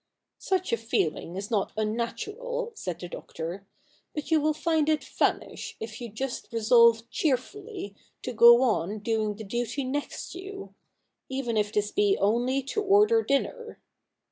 ' Such a feeling is not unnatural,' said the Doctor : 'but you will find it vanish if you just resolve cheerfully to go on doing the duty next you — even if this be only to order dinner.